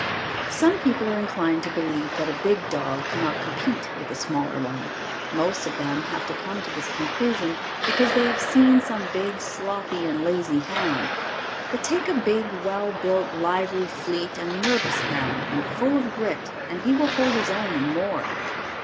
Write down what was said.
Some people are inclined to believe that a big dog cannot compete with a smaller one. Most of them have to come to this conclusion because they have seen some big sloppy and lazy hound, but take a big, well built, lively, fleet and nervous hound, and full of grit and he will hold his own and more.